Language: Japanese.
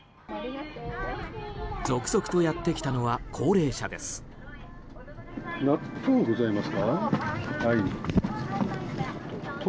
続々とやってきたのは高齢者です。